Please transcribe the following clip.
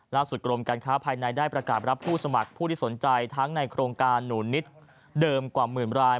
กรมการค้าภายในได้ประกาศรับผู้สมัครผู้ที่สนใจทั้งในโครงการหนูนิดเดิมกว่าหมื่นราย